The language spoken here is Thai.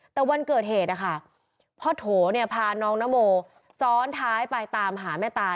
แต่วันเกิดเหตุนะคะพ่อโถเนี่ยพาน้องนโมซ้อนท้ายไปตามหาแม่ตา